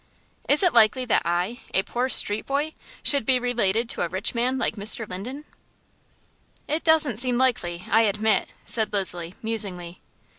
"Is it likely that I a poor street boy should be related to a rich man like Mr. Linden?" "It doesn't seem likely, I admit," said Leslie, musingly.